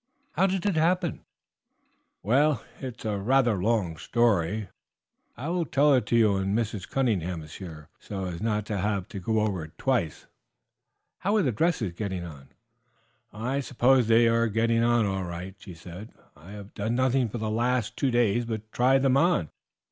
How did it happen?" "Well, it is rather a long story. I will tell it you when Mrs. Cunningham is here, so as not to have to go over it twice. How are the dresses getting on?" "I suppose they are getting on all right," she said. "I have done nothing for the last two days but try them on.